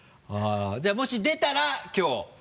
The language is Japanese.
じゃあもし出たらきょう。